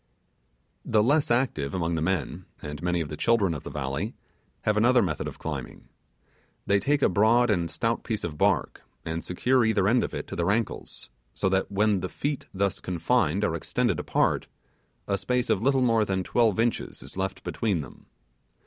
The less active among the men, and many of the children of the valley have another method of climbing. They take a broad and stout piece of bark, and secure each end of it to their ankles, so that when the feet thus confined are extended apart, a space of little more than twelve inches is left between them.